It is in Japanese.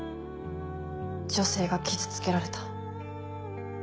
女性が傷つけられた。